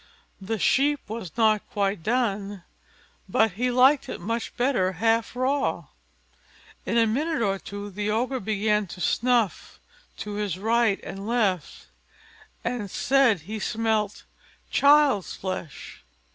The sheep was not quite done, but he liked it much better half raw. In a minute or two the Ogre began to snuff to his right and left, and said he smelt child's flesh.